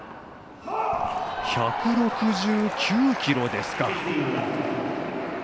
１６９キロですか。